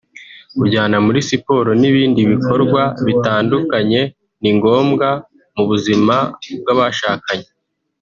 kujyana muri siporo n’ibindi bikorwa bitandukanye ni ngombwa mu buzima bw’abashakanye